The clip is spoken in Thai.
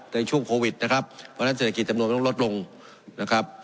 ในช่วงโควิดนะครับเพราะฉะนั้นเศรษฐกิจจำนวนมันต้องลดลงนะครับ